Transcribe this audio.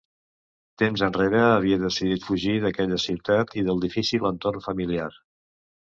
Temps enrere havia decidit fugir d'aquella ciutat i del difícil entorn familiar.